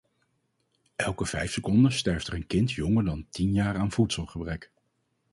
Elke vijf seconden sterft er een kind jonger dan tien jaar aan voedselgebrek.